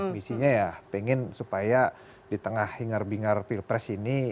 misinya ya pengen supaya di tengah hingar bingar pilpres ini